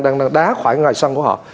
đang đá khỏi ngoài sân của họ